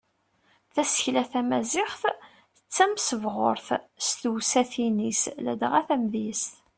Tasekla tamaziɣt d tamesbeɣrut s tewsatin-is ladɣa tamedyazt.